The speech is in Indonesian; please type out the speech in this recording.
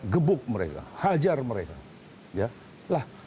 gebuk mereka hajar mereka